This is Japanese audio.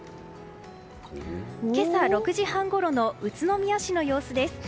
今朝６時半ごろの宇都宮市の様子です。